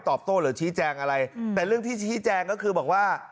โต้หรือชี้แจงอะไรแต่เรื่องที่ชี้แจงก็คือบอกว่า